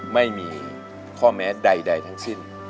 ไม่มีข้อแม้ใดทั้งสิ้น